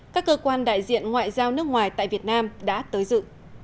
các cơ quan đại diện ngoại giao nước ngoài tại việt nam đã tới dự